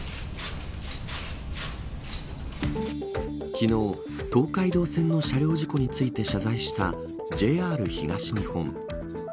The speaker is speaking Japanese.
昨日、東海道線の車両事故について謝罪した、ＪＲ東日本。